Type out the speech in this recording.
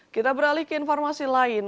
kita beralih ke informasi lain